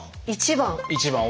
１番。